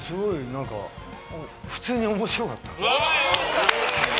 何か普通に面白かった。